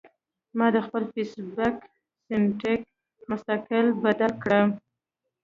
ما د خپل فېس بک سېټنګ مستقل بدل کړۀ